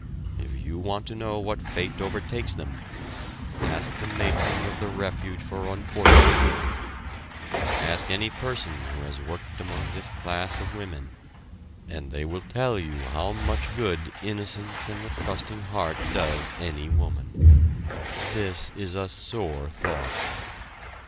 If you want to know what fate overtakes them, ask the matron of the Refuge for Unfortunate Women, ask any person who has worked among this class of women, and they will tell you how much good innocence and the trusting heart does any woman. This is a sore thought!